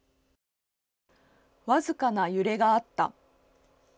僅かな揺れがあった。